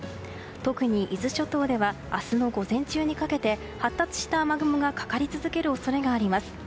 特に伊豆諸島では明日の午前中にかけて発達した雨雲がかかり続ける恐れがあります。